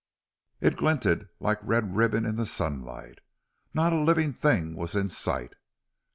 It glinted like red ribbon in the sunlight. Not a living thing was in sight.